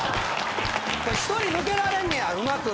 １人抜けられんねやうまく。